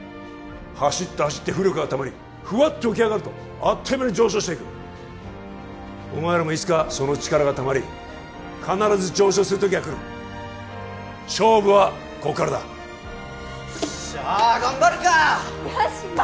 走って走って浮力がたまりフワッと浮き上がるとあっという間に上昇していくお前らもいつかその力がたまり必ず上昇する時が来る勝負はここからだっしゃ頑張るかよし爆